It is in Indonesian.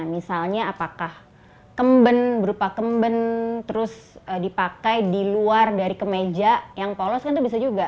misalnya apakah kemben berupa kemben terus dipakai di luar dari kemeja yang polos kan itu bisa juga